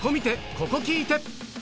ここ聴いて！